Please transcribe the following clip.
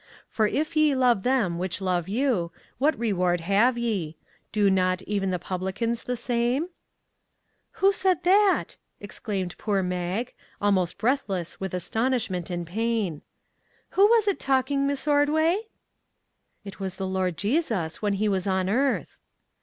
For if ye love them which love you, what reward have ye? Do not even the publicans the same ?"" Who said that? " exclaimed poor Mag, al most breathless with astonishment and pain; " who was it talking, Miss Ordway ?" 260 A HARD LESSON " It was the Lord Jesus when he was on earth."